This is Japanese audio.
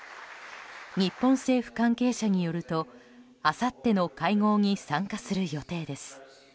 日本政府関係者によるとあさっての会合に参加する予定です。